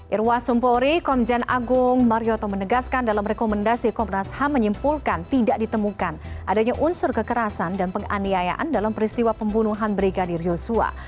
irwa sumpori komjen agung marioto menegaskan dalam rekomendasi komnas ham menyimpulkan tidak ditemukan adanya unsur kekerasan dan penganiayaan dalam peristiwa pembunuhan brigadir yosua